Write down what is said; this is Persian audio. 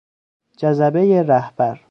جذبهی رهبر